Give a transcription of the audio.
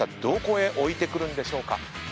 どこへ置いてくるんでしょうか？